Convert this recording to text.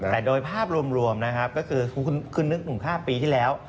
แต่โดยภาพรวมนะครับก็คือคุณนึก๑๕ปีที่แล้ว